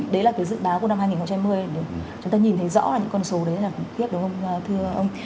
đấy là cái dự đáo của năm hai nghìn hai mươi chúng ta nhìn thấy rõ là những con số đấy rất là khủng khiếp đúng không thưa ông